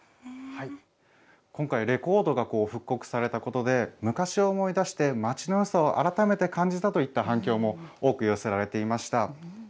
今回、レコードが復刻されたことで、昔を思い出して街のよさを改めて感じたといった反響も多く寄せられていました。